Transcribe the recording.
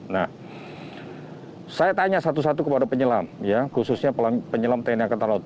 nah saya tanya satu satu kepada penyelam khususnya penyelam tni angkatan laut